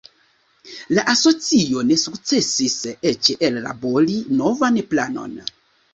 La asocio ne sukcesis eĉ ellabori novan planon.